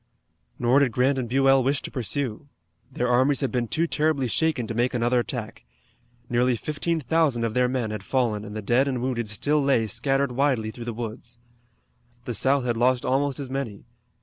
Nor did Grant and Buell wish to pursue. Their armies had been too terribly shaken to make another attack. Nearly fifteen thousand of their men had fallen and the dead and wounded still lay scattered widely through the woods. The South had lost almost as many.